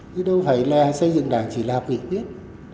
cứ đâu phải là xây dựng đảng chỉ là bị viết